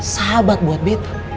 sahabat buat betta